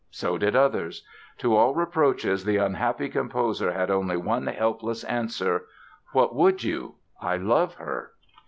So did others! To all reproaches the unhappy composer had only one helpless answer: "What would you? I love her."